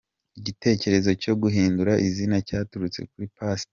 Igitekerezo cyo guhindura izina cyaturutse kuri Past.